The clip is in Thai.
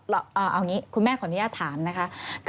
เอาอย่างนี้คุณแม่ขออนุญาตถามนะคะ